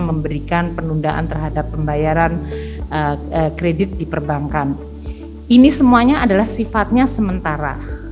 memberikan penundaan terhadap pembayaran kredit di perbankan ini semuanya adalah sifatnya sementara